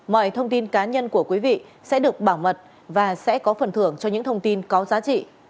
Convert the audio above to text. mọi thông tin cá nhân của quý vị sẽ được bảo mật và sẽ có phần thưởng cho những thông tin có giá trị